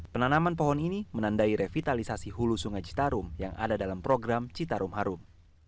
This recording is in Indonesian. penanaman pohon ini menandai revitalisasi hulu sungai citarum yang ada dalam program citarum harum